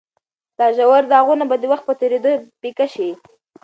دا ژور داغونه به د وخت په تېرېدو پیکه شي.